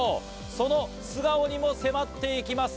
その素顔にも迫っていきます。